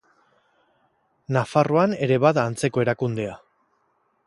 Nafarroan ere bada antzeko erakundea.